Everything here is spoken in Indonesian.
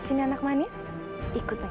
sini juga kian santang nek